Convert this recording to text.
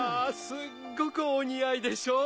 すっごくお似合いでしょう？